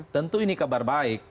tentu ini kabar baik